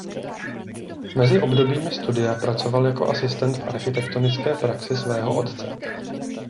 Mezi obdobími studia pracoval jako asistent v architektonické praxi svého otce.